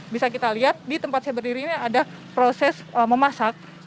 bisa kita lihat di tempat saya berdiri ini ada proses memasak